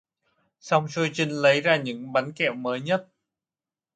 Xong xuôi Trinh lấy ra những bánh kẹo mới nhất